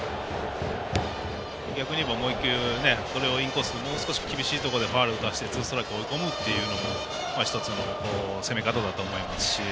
逆に言えばもう１球、インコース厳しいところでファウルを打たせてツーストライク追い込むっていうのも１つの攻め方だと思いますし。